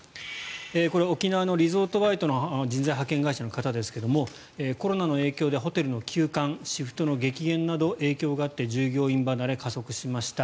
沖縄のリゾートバイトの人材派遣会社の人ですがコロナの影響でホテルの休館、シフトの激減など影響があって従業員離れが加速しました。